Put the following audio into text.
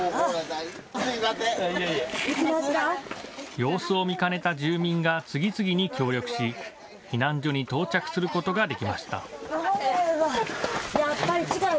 様子を見かねた住民が次々に協力し、避難所に到着することができました。